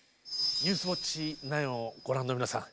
「ニュースウオッチ９」をご覧の皆さん